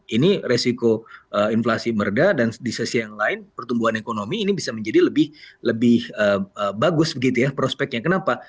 ini resiko inflasi merda dan di sisi yang lain pertumbuhan ekonomi ini bisa menjadi lebih bagus begitu ya prospeknya kenapa